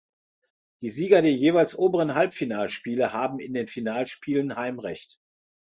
Die Sieger der jeweils oberen Halbfinalspiele haben in den Finalspielen Heimrecht.